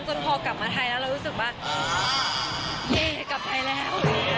พอกลับมาไทยแล้วเรารู้สึกว่าดีกลับไทยแล้ว